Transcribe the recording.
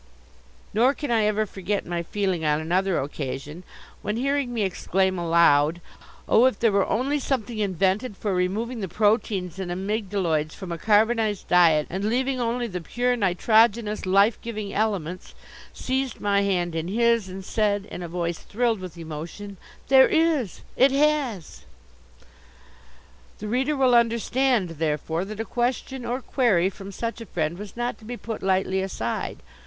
Nor can I ever forget my feeling on another occasion when, hearing me exclaim aloud: "Oh, if there were only something invented for removing the proteins and amygdaloids from a carbonized diet and leaving only the pure nitrogenous life giving elements!" seized my hand in his, and said in a voice thrilled with emotion: "There is! It has!" The reader will understand, therefore, that a question, or query, from such a Friend was not to be put lightly aside.